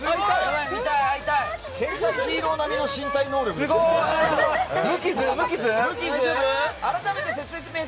戦隊ヒーロー並みの身体能力ですね。